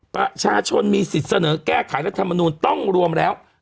ประชาชนมีสิทธิ์เสนอแก้ไขรัฐมนูลต้องรวมแล้ว